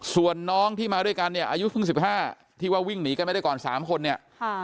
ส่วนน้องที่มาด้วยกันเนี่ยอายุเพิ่ง๑๕ที่ว่าวิ่งหนีกันไม่ได้ก่อน๓คนเนี่ย